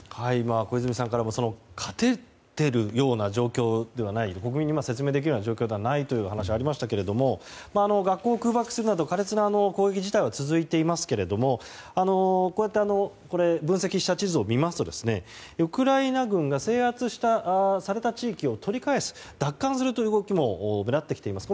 小泉さんからも勝ててるような状況ではない国民に説明できるような状況ではないという話がありましたが学校を空爆するなど苛烈な攻撃自体は続いていますけども分析した地図を見ますとウクライナ軍が制圧された地域を取り返す奪還するという動きになってきています。